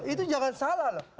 itu jangan salah loh